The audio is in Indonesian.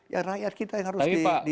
ya rakyat kita yang harus di